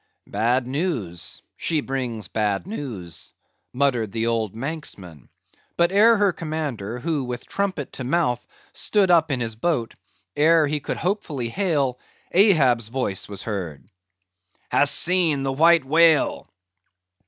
"Bad news; she brings bad news," muttered the old Manxman. But ere her commander, who, with trumpet to mouth, stood up in his boat; ere he could hopefully hail, Ahab's voice was heard. "Hast seen the White Whale?"